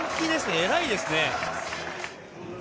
偉いですね。